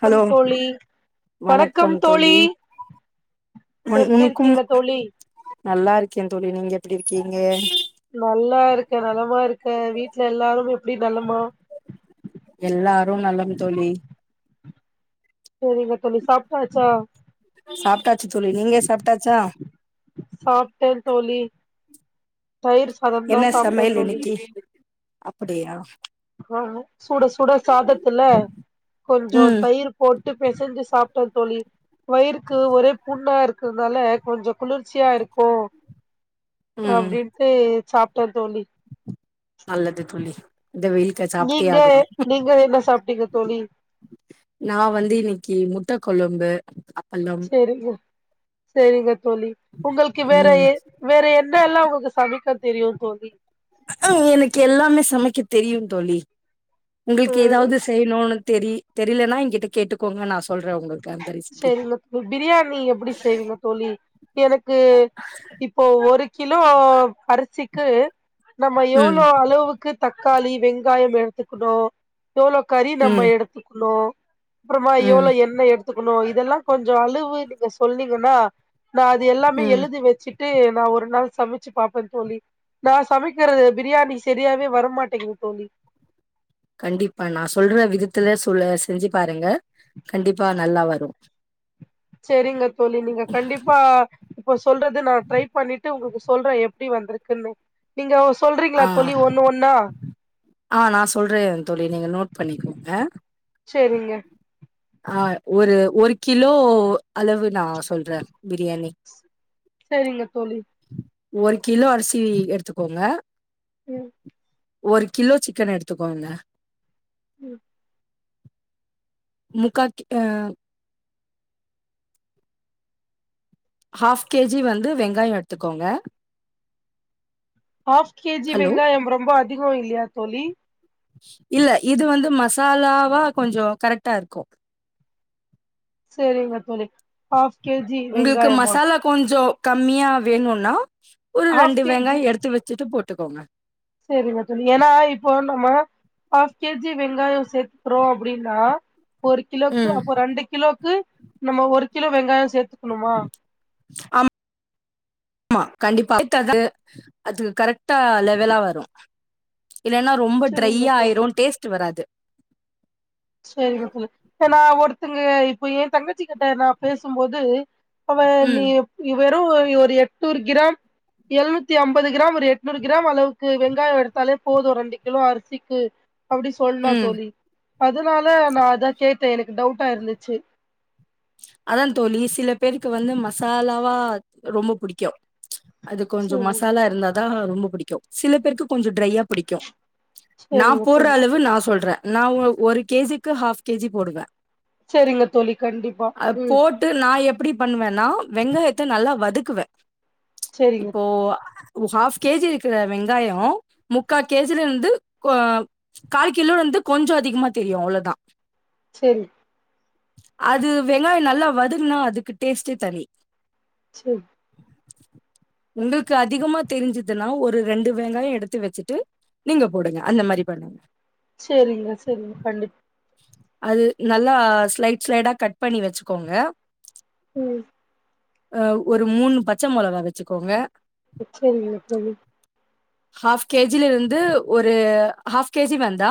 Hello கம் தோழி வணக்கம் தோழி வண் எப்டி உனுக்கும் இருக்கீங்க தோழி நல்லாருக்கே தோழி நீங்க எப்டி இருக்கீங்க? நல்லாருக்கே நலமா இருக்கே வீட்ல எல்லாரும் எப்டி நலமா? எல்லாரும் நலம் தோழி சேரிங்க தோழி சாப்ட்டாச்சா? சாப்ட்டாச்சு தோழி நீங்க சாப்ட்டாச்சா? சாப்ட்டே தோழி தயிர் சாதந்தா என்ன சாப்டே சமையல் தோழி இன்னைக்கு அப்டியா ஆ சுட சுட சாதத்துல கொஞ்சோ ம் தயிர் போட்டு பெசஞ்சு சாப்ட்ட தோழி வயிறுக்கு ஒரே புண்ணா இருக்கதால கொஞ்சொ குளிர்ச்சியா இருக்கு ம் அப்டின்ட்டு சாப்ட்டே தோழி நல்லது தோழி இந்த வெயில் கட் நீங்க நீங்க என்ன சாப்டீங்க தோழி நா வந்து இன்னிக்கு முட்ட கொழம்பு அப் சேரி ஃப்ரோ சேரிங்க தோழி உங்களுக்கு வேற ம் ஏ வேற என்ன எல்லா உங்களுக்கு சமைக்க தெரியு தோழி எனக்கு எல்லாமே சமைக்க தெரியுங் தோழி உங்களுக்கு ம் எதாவதுஸ் செய்யணு உனக்கு தெரி தெரியலனா எங்கிட்ட கேட்டுக்கோங்க நா சொல்ற உங்களுக் சேரிங்க பிரியாணி எப்புடி செய்வீங்கோ தோழி எனக்கு இப்போ ஒரு கிலோ அரிசிக்கு நம்ம ம் எவ்ளோ அளவுக்கு தக்காளி வெங்காயம் எடுத்துக்குரோ எவ்ளோ கறி நம்ம ம் எடுத்துக்கணு அப்புறமா ம் எவ்வளோ எண்ணெய் எடுத் னு இதெல்லாம் கொஞ்சோ அளவு நீங்க சொன்னீங்கன்னா நா அது எல்லாமே ம் எழுதி வெச்சுட் ட்டு நா ஒரு நாள் சமச்சு பாப்பன் தோழி நா சமைக்கிறது பிரியாணி செரியாவே வரமாட்டேங்குதுங் தோழி கண்டிப்பா நா சொல்ற விதத்துல சொல்ல செஞ்சு பாருங்க கண்டிப்பா நல்லா வரு சேரிங்க தோழி நீங்க கண்டிப்பா இப்போ சொல்றது நா ட்ரை பண்ணிட்டு உங்களுக்கு சொல்ற எப் எப்டி வந்துருக்குன்னு நீங்கோ சொல்றீங்களா ஆ, தோழி ஒன்னு ஒன்னா ஆ நா சொல்ற தோழி நீங்க நோட் பண்ணிக்கோங்க செரிங்க ஆ ஒரு ஒரு கிலோ அளவு நா சொல்ற பிரியாணி சேரிங்க தோழி ஒரு கிலோ அரிசி எடுத்துக்கோங்க ம் ஒரு கிலோ சிக்கன் எடுத்துக்கோங்க ம் முக்காக்கி அ ஹாஃப் கேஜி வந்து வெங்காயோ எடுத்துக்கோங்க ஹாஃப் கேஜி ஹலோ! வெங்காயம் ரொம்போ அதிகோ இல்லியா தோழி இல்ல இது வந்து மசாலாவா கொஞ்சோ கரெக்டா இருக்கு சேரிங்க தோழி ஹாஃப் கேஜி உங்களுக்கு வெங்காயமா மசாலா கொஞ்சோ கம்மியா வேணுன்னா ஒரு ஹாஃப் ரெண்டு வெங்காயோ எடுத்து வெச்சுட்டு போட்டுக்கோங்க சேரிங்க தோழி ஏனா இப்போ நம்ம ஆஃப் கேஜி வெங்காயோ சேத்துக்குறோ அப்டின்னா ஒரு கிலோக்கு ம். அப்போ ரெண்டு கிலோக்கு நம்ம ஒரு கிலோ வெங்காயோ சேத்துக்குன்னுமா அம் ஆமா கண்டிப்பா அது அது கரெக்ட்டா லெவலா வரு இல்லன்னா ரொம்ப செரிங்க தோழி ட்ரையாயிரு டேஸ்ட்டு வராது சேரிங்க தோழி நா ஒருத்தங்க இப்போ ஏ தங்கச்சி கிட்ட நா பேசும்போது அவ ம் நீ வெறு ஒரு எட்நூறு கிராம் எழுநூத்தி அம்பது கிராம் ஒரு எட்நூறு கிராம் அளவுக்கு வெங்காயோ எடுத்தாலே போது ரெண்டு கிலோ அரிசிக்கு அப்டி சொன்னா ம் தோழி அதுனால நா அதா கேட்ட எனக்கு டவுட்டா இருந்துச்சு அதாந் தோழி சில பேருக்கு வந்து மசாலாவா ரொம்போ புடிக்கு அது கொஞ்சோ சரி மசாலா இருந்தா தா ரொம்போ புடிக்கு சில பேருக்கு கொஞ்சோ டிரையா புடிக்கு நாம் சரிங்க போடுற தோழி அளவு நா சொல்ற நா ஒ ஒரு கேஜிக்கு ஹாஃப் கேஜி போடுவ சேரிங்க தோழி கண்டிப்பா அ ம் போட்டு நா எப்டி பண்ணுவேன்னா வெங்காயத்த நல்லா வதக்குவ சரிங்க இப்போ ஆஃப் கேஜி இருக்கிற வெங்காயோ முக்கா கே ஜி ல இருந்து கோ கால்கிலோந்து கொஞ்சோ அதிகமா தெரியு அவ்ளோ தா சரி அது வெங்காயம் நல்லா வதங்கனா அதுக்கு டேஸ்டே தனி சரி உங்களுக்கு அதிகமா தெரிஞ்சுதுன்னா ஒரு ரெண்டு வெங்காயம் எடுத்து வச்சுட்டு நீங்களே போடுங்க அந்த மாரி பண்ணுங்க சரிங்க சரிங்க கண்டிப் அது நல்லா ஸ்லைட் ஸ்லைடா கட் பண்ணி வச்சிக்கோங்க ம் அ ஒரு மூணு பச்ச மொளகா வச்சுக்கோங்க சரிங்க தோழி ஆஃப் கேஜிலருந்து ஒரு ஆஃப் கேஜி வேண்டா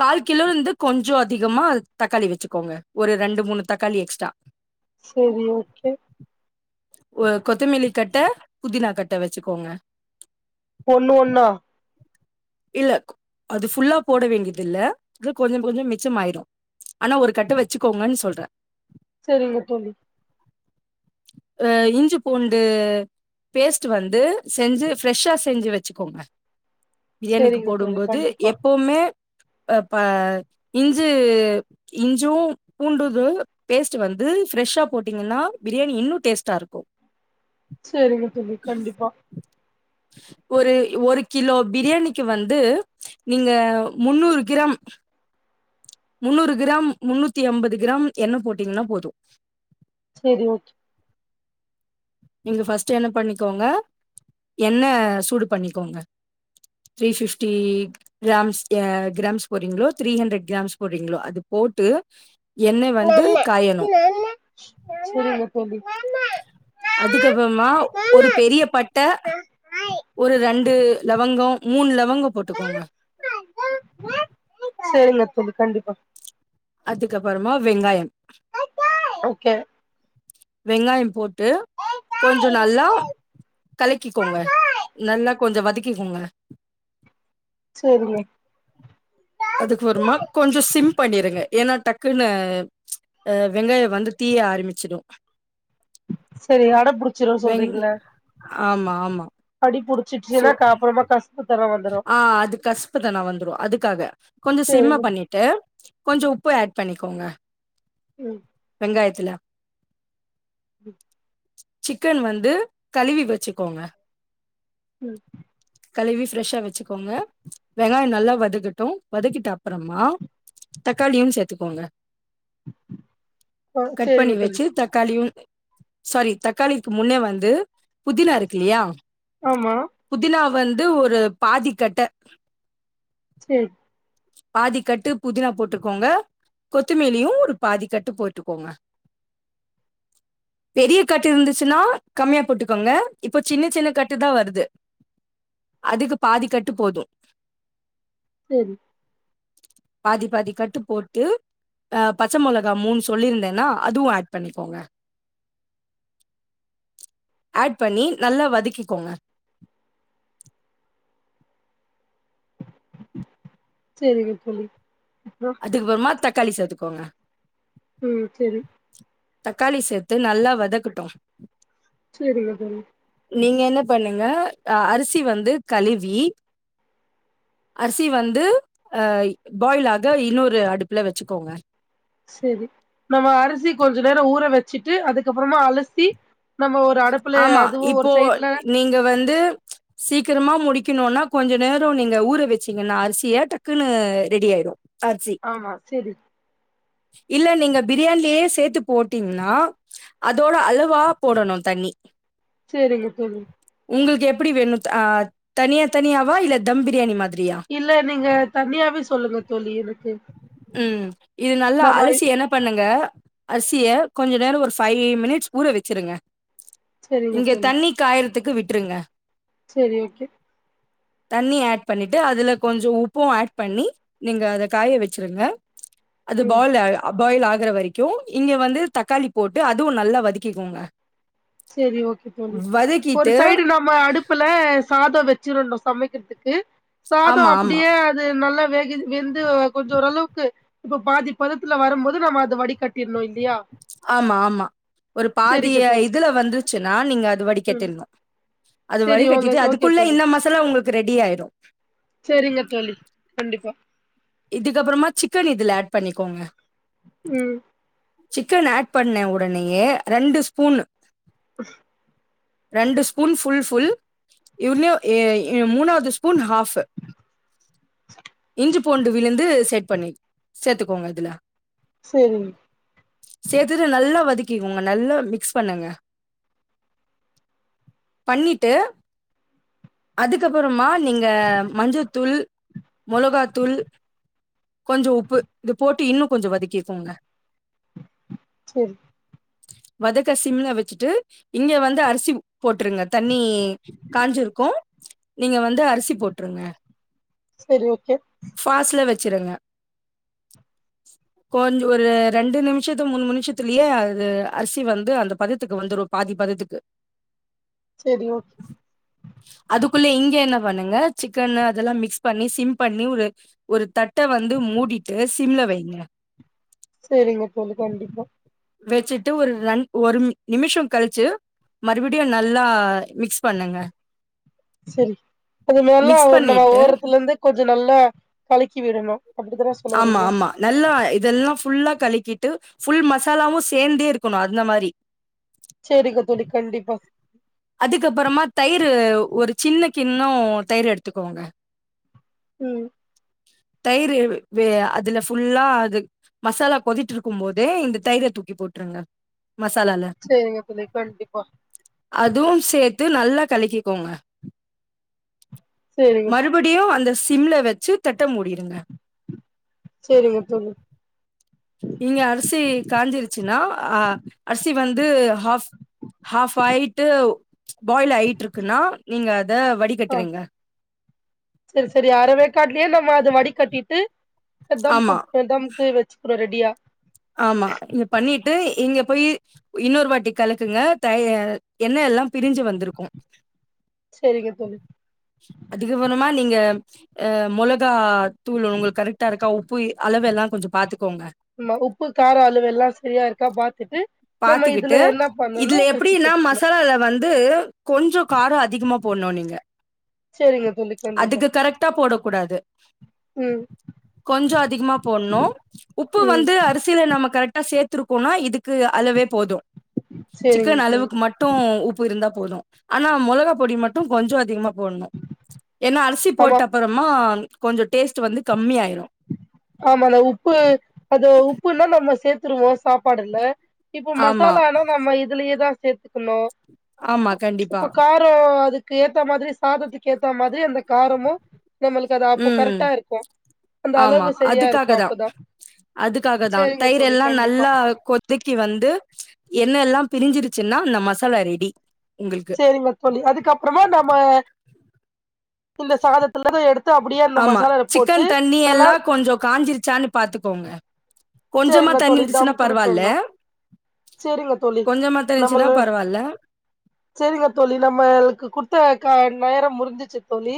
கால் கிலோல்ருந்து கொஞ்சோ அதிகமா தக்காளி வச்சுக்கோங்க ஒரு ரெண்டு மூணு தக்காளி எக்ஸ்ட்டா சரி ஓகே கொ கொத்தமல்லிக்கட்டோ புதினா கட்டோ வச்சுக்கோங்க ஒன்னு ஒன்னா இல்ல அது ஃபுல்லா போட வேண்டியதில்ல இது கொஞ்சோ கொஞ்ச மிச்சமாயிரு ஆனா ஒரு கட்டு வச்சுக்கோங்கன்னு சொல்ற சரிங்க தோழி ஆ இஞ்சு பூண்டு பேஸ்ட் வந்து செஞ்சு ஃபிரஷ்ஷா செஞ்சு வச்சுக்கோங்க பிரியாணிக்கு செரிங்க தோழி போடும்போது கண்டிப்பா எப்பவுமே ப இஞ்சு இஞ்சூ பூண்டுது பேஸ்ட் வந்து ஃபிரஷ்ஷா போட்டீங்கன்னா பிரியாணி இன்னு டேஸ்ட்டா இருக்கு சரிங்க தோழி கண்டிப்பா ஒரு ஒரு கிலோ பிரியாணி வந்து நீங்க முந்நூறு கிராம் முந்நூறு கிராம் முந்நூத்தி அம்பது கிராம் எண்ணெ போட்டீங்கன்னா போது சேரி ஓகே நீங்க ஃபஸ்ட் என்ன பண்ணிக்கோங்க எண்ண சூடு பண்ணிக்கோங்க த்ரீ பிஃப்டீ கிராம்ஸ் எ கிராம்ஸ் போறீங்களோ த்ரீ ஹண்ட்ரட் கிராம்ஸ் போறீங்களோ அது போட்டு எண்ணெ வந்து காயணு சரிங்க தோழி அதுக்கப்றமா ஒரு பெரிய பட்ட ஒரு ரெண்டு லவங்கோ மூணு லவங்கோ போட்டுக்கோங்க சரிங்க தோழி கண்டிப்பா அதுக்கப்பறமா வெங்காயம் ஓ கே வெங்காய போட் ட்டு கொஞ்சோ நல்லா கலக்கிக்கோங்க நல்லா கொஞ்ச வதக்கிக்கோங்க சரிங்க அதுக்கப்புறமா கொஞ்சோ சிம் பண்ணிருங்க ஏன்னா டக்குன்னு ஆ வெங்காயோ வந்து தீய ஆரம்பிச்சிடு சேரி அடப்புடிச்சிருனு வெங் சொல்றீங்கில்ல ஆமா, ஆமா. அடி சோ புடிச்சிச்சினா கா அப்புறமா கஷ் ஆ அது கசப்புத்தன்ன வந்துரு அதுக்காக கொஞ்ச சிம்ம செரிங்க பண்ணிட் ட்டு கொஞ்ச உப்பு ஆட் பண்ணிக்கோங்க ம் வெங்காயத்தில ம் சிக்கன் வந்து கழுவி வச்சுக்கோங்க ம் கழுவி ஃப் ஃபிரஷ்ஷா வச்சுக்கோங்க வெங்காயோ நல்லா வதக்கட்டு வதக்கிட்ட அப்பறமா தக்காளியும் சேத்துக்கோங்க ஆ கட் பண்ணி செரிங்க தோழி வச்சி தக்காளியு சாரி தக்காளிக்கு முன்னே வந்து புதினா இருக்கில்லியா ஆமா புதினா வந்து ஒரு பாதி கட்ட சே பாதி கட்டு புதினா போட்டுக்கோங்க கொத்துமேலியு ஒரு பாதி கட்டு போட்டுக்கோங்க [inaudible] பெரிய கட்டு இருந்திச்சின்னா கம்மியா போட்டுக்கோங்க இப்போ சின்ன சின்ன கட்டுதா வருது அதுக்கு பாதி கட்டு போது செரி பாதி பாதிக்கட்டு போட்டு அ பச்ச மொளகா மூன் சொல்லியிருந்தேன்னா அதுவு ஏட் பண்ணிக்கோங்க [unintelligible] ஏட் பண்ணி நல்லா வதக்கிக்கோங்க சேரிங்க தோழி அப்புறோ அதுக்ப்பிறமா தக்காளி சேத்துக்கோங்க ம் சேரி தக்காளி சேத்து நல்லா வதக்கட்டு சேரி ஓகேமா நீங்க என்ன பண்ணுங்க அ அரிசி வந்து கழிவி அரிசி வந்து அய் பாயில் ஆக இன்னொரு அடுப்ல வச்சுக்கோங்க செரி நம்ம அரிசி கொஞ்சொ நேரோ ஊற வச்சுட்டு அதுக்கப்புறமா அலசி நம்ம ஒரு அடுப்புல ஆமா அதுவு ஒரு இப்போ சைட்ல நீங்க வந்து சீக்கரமா முடிக்கணுனா கொஞ்சொ நேரோ நீங்க ஊற வெச்சீங்கன்னா அரிசிய டக்குன்னு ரெடி ஆயிடு அரிசி ஆமா செரி இல்ல நீங்க பிரியாண்லே சேத்து போட்டீங்ன்னா அதோட அளவா போடணு தண்ணி செரிங்க தோழி உங்களுக்கு எப்பிடி வேணு த ஆ தனியா தனியாவா இல்ல தம் பிரியாணி மாதிரி இல்ல நீங்க தனியாவே சொல்லுங்க தோழி எனக்கு ம் இது நல்லா நம்ம அழசி என்ன பண்ணுங்க அர்சிய கொஞ்ச நேரோ ஒரு ஃபைவ் மினிட்ஸ் ஊற வச்சிருங்க சேரிங்க இங்க தோழி தண்ணி காயறத்துக்கு விட்டுருங்க சேரி ஓகே தண்ணி ஏட் பண்ணிட்டு அதில கொஞ்சோ உப்பு ஏட் பண்ணி நீங்க அத காய வச்சிருங்க அது ம் பால்ல அ பாயில் ஆகற வரைக்கு இங்க வந்து தக்காளி போட்டு அதுவு நல்லா வதக்கிக்கோங்க செரி ஓகே தோழி ஒரு வதக்கிட்டு சைடு நம்ம அடுப்புல ல சாதோ வச்சிரணு சமைக்கற்துக்கு சாதோ ஆமா ஆமா அப்டியே அது நல்லா வேகுது வெந்து கொஞ்சொ ஓரளவுக்கு இப்ப பாதி பதத்துல வரம்போது நம்ம அத வடி கட்டிரணு இல்லையா ஆமா ஆமா ஒரு பாதிய சேரிங்க தோழி இதுல வந்துருச்சுன்னா நீங்க அது ம் வடிகட்டிர்னு அது வடி செரி ஓகே கட்டிட்டு ஓகே அதுக்குள்ள தோழி இந்த மசாலா உங்களுக்கு ரெடி ஆயிடு செரிங்க தோழி கண்டிப்பா இதுக்கப்புறமா சிக்கன் இதுல ஆட் பண்ணிக்கோங்க ம் சிக்கன் ஆட் பண்ண உடனேயே ரெண்டு ஸ்பூனு [unintelligible] ரெண்டு ஸ்பூன் ஃபுல் ஃபுல் எ உண்மயோ எ எ மூணாவது ஸ்பூன் ஹாஃப் இஞ்சிப் பூண்டு விழுந்து சேட் பண்ணி சேத்துக்கோங்க இதுல செரி சேத்துட்டு நல்லா வதக்கிகொங்க நல்லா மிக்ஸ் பண்ணுங்க பண்ணிட்டு அதுக்கப்புறமா நீங்க மஞ்சத்தூள் மொளகாத் தூள் கொஞ்சொ உப்பு இது போட்டு இன்னு கொஞ்சொ வதக்கிக்கோங்க செரி வதக்க சிம்ல வச்சுட்டு இங்க வந்து அரிசி போட்டுருங்க தண்ணி காஞ்சுருக்கும் நீங்க வந்து அரிசி போட்டுருங்க செரி ஓகே ஃபாஸ்ல வச்சுருங்க [unintelligible] கொஞ் ஒரு ரெண்டு நிமிஷத்து மூணு மினிஷத்துலயே அது அரிசி வந்து அந்த பதத்துக்கு வந்துரு பாதி பதத்துக்கு செரி ஓகே அதுக்குள்ள இங்க என்ன பண்ணுங்க சிக்கன் அதெல்லா மிக்ஸ் பண்ணி சிம் பண்ணி ஒரு ஒரு தட்ட வந்து மூடிட்டு சிம்ல வைங்க சேரிங்க தோழி கண்டிப்பா வெச்சிட்டு ஒரு ரண் ஒரு நிமிஷோ கழிச்சு மறுபடியு நல்லா மிக்ஸ் பண்ணுங்க சரி அது மேலும் மிக்ஸ் அத நம்ம பண்ணிட்டு ஓறத்துல இருந்து கொஞ்சொ நல்லா கலக்கி விடணும் ஆமா ஆமா நல்லா இதெல்லா ஃபுல்லா கழிக்கிட்டு ஃபுல் மசாலாவு சேந்தே இருக்கணு அந்த மாரி செரிங்க தோழி கண்டிப்பா அதுக்கப்பறமா தயிரு ஒரு சின்ன கிண்ணோ தயிர் எடுத்துக்கோங்க ம் தயிரு வ் வெ அதுல ஃபுல்லா அது மசாலா கொதிட்ருக்கும் போதே இந்த தயிர தூக்கி போட்டுருங்க சேரிங்க தோழி கண்டிப்பா அதுவும் சேர்த்து நல்லா கலக்கிக்கோங்க செரிங்க மறு படியு அந்த சிம்ல வச்சு தெட்ட மூடியிருங்க செரிங்க தோழி இங்க அரிசி காஞ்சிருச்சுன்னா அ அரிசி வந்து ஹாஃப் ஹாஃப் ஆயிட்டு பாயில் ஆயிட்ருக்குனா நீங்க அத வடி ஆ செரி செரி அர வேக்காட்லயே நம்ம அது வடி கட்டிட்டு தம் ஆமா புட தம்க்கு வச்சுக்கனு ரெடியா ஆமா இது பண்ணிட்டு இங்க போய் இன்னொரு வாட்டி கலக்குங்க த எண்ண எல்லா பிரிஞ்சு வந்திருக்கும் சரிங்க தோழி அதுக்கப்பறமா நீங்க ஆ மொளகா தூள் உங்களுக்கு கரெக்டா இருக்கா உப்பு அளவு எல்லா கொஞ்ச பாத்துக்கோங்க ம் உப்பு கார அளுவு எல்லா சரியா இருக்கா பாத்துட்டு நம்ம இதுல பாத்துக்கிட்டு என்ன பண்ணனு இதுல அரிசி எப்டின்னா சேத்துக்கணு மசாலால வந்து கொஞ்சோ காரோ அதிகமா போட்ணு நீங்க சரிங்க தோழி கண்டிப்பா ட்டா போட கூடாது ம் கொஞ்சோ அதிகமா போட்ணு உப்பு ம் வந்து அரிசில நம்ம கரெக்ட் சேத்திருக்கோனா இதுக்கு அளவே போது சேரிங்க சிக்கன் தோழி அளவுக்கு மட்டு ட்டும் உப்பு இருந்தா போதும் ஆனா மொளகா பொடி மட்டு கொஞ்சோ அதிகமா போட்ணு ஏன்னா அரிசி ஆமா போட்ட அப்பறமா கொஞ்சோ டேஸ்ட் வந்து கம்மி ஆயிரு ஆமா ந உப்பு அது உப்புன்னா நம்ம சேத்தருவோ சாப்பாடுல இப்ப ஆமா மசாலானா நம்ம இதுலயேதா சேத்துக்கணு ஆமா கண்டிப்பா இப்ப கா ரோ அதுக்கு ஏத்த மாதிரி சாதத்துக்கு ஏத்த மாரி அந்த காரமும் நம்மளுக்கு அது அப்போ ம் கரெக்டா இருக்கும் அந்த ஆமா அளவு சரியா அதுக்காக இருக்கு தா அப்பதா அதுக்காக தா சேரிங்க தயர் தோழி எல்லா கண்டிப்பா நல்லா கொத் வதக்கி வந்து எண்ண எல்லாம் பிரிஞ்சிருச்சுன்னா அந்த மசாலா ரெடி உங்களுக்கு செரிங்க தோழி அதுக்கப்பறமா நம்ம இந்த சாதத்துல இருந்து எடுத்து அப்டியே அந்த ஆமா மசாலால போட்டு சிக்கன் தண்ணி நல்லா எல்லா கொஞ்சோ காஞ்சிருச்சான்னு பாத்துக்கோங்க கொஞ்சமா சேரிங்க தண்ணி தோழி இருந்துச்சுன்னா தம்க்கு பரவால்ல விட்டுட்ணு சேரிங்க தோழி கொஞ்சமா தண்ணி இருச்சுன்னா பரவால்ல சரிங்க தோழி நம்மளுக்கு குடுத்த கா நேரம் முடிஞ்சிச்சு தோழி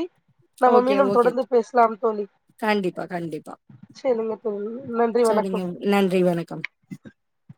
நம்ம ஓகே மீண்டும் ஓகே தொடர்ந்து பேசலாம் தோழி கண்டிப்பா கண்டிப்பா சரிங்க தோழி நன்றி சரிங்க வணக்கம் நன்றி வணக்கம் [inaudible]